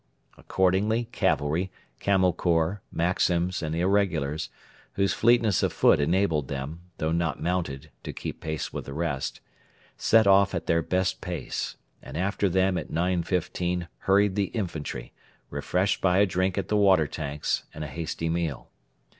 Accordingly cavalry, Camel Corps, Maxims, and irregulars whose fleetness of foot enabled them, though not mounted, to keep pace with the rest set off at their best pace: and after them at 9.15 hurried the infantry, refreshed by a drink at the water tanks and a hasty meal.